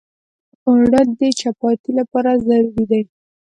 اوړه د چپاتي لپاره ضروري دي